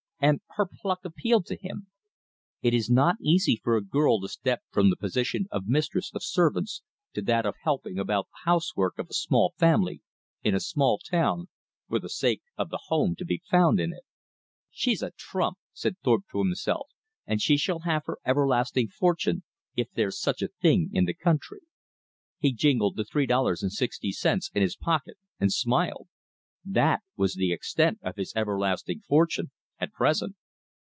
And her pluck appealed to him. It is not easy for a girl to step from the position of mistress of servants to that of helping about the housework of a small family in a small town for the sake of the home to be found in it. "She's a trump!" said Thorpe to himself, "and she shall have her everlasting fortune, if there's such a thing in the country." He jingled the three dollars and sixty cents in his pocket, and smiled. That was the extent of his everlasting fortune at present.